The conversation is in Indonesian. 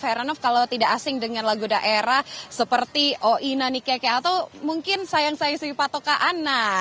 heranov kalau tidak asing dengan lagu daerah seperti oina nikeke atau mungkin sayang sayang si patoka anna